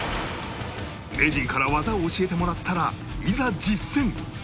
名人から技を教えてもらったらいざ実践！